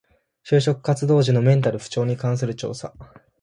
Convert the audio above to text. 就職活動時のメンタル不調に関する調査